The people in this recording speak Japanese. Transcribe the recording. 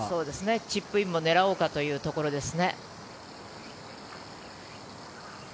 チップインも狙おうかというところですね。